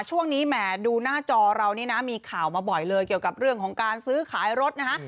แหมดูหน้าจอเรานี่นะมีข่าวมาบ่อยเลยเกี่ยวกับเรื่องของการซื้อขายรถนะฮะ